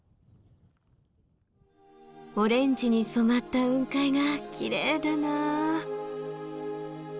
オレンジに染まった雲海がきれいだなあ。